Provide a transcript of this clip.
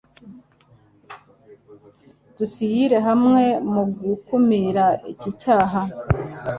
dusyire hamwe mu gukumira iki cyaha